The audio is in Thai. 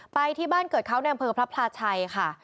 ไปที่บ้านเกิดเขาแนวมะพื้นพระพลาชัยค่ะ